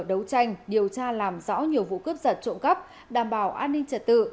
đấu tranh điều tra làm rõ nhiều vụ cướp giật trộm cắp đảm bảo an ninh trật tự